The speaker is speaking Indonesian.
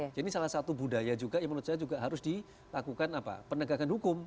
jadi ini salah satu budaya juga yang menurut saya harus dilakukan penegakan hukum